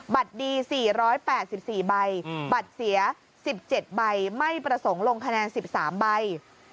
บัตรดี๔๘๔ใบบัตรเสีย๑๗ใบไม่ประสงค์ลงคะแนน๑๓ใบ